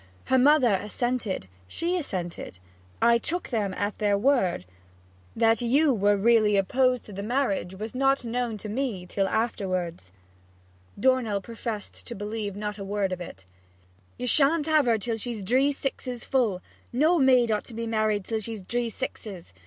Her mother assented; she assented. I took them at their word. That you was really opposed to the marriage was not known to me till afterwards.' Dornell professed to believe not a word of it. 'You sha'n't have her till she's dree sixes full no maid ought to be married till she's dree sixes!